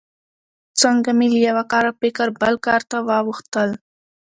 څنګه مې له یوه کاره فکر بل کار ته واوښتل.